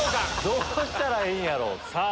どうしたらええんやろう？って。